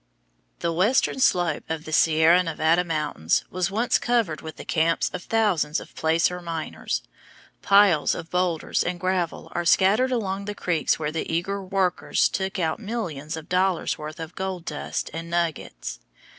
The western slope of the Sierra Nevada mountains was once covered with the camps of thousands of placer miners. Piles of boulders and gravel are scattered along the creeks where the eager workers took out millions of dollars' worth of gold dust and nuggets.